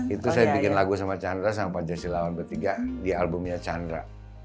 itu saya bikin lagu sama chandra sama pancasila lawan bertiga di albumnya chandra